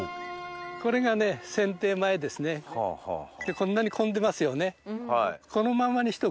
こんなに混んでますよね。